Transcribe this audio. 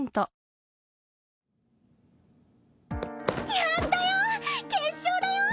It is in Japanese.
やったよ決勝だよ！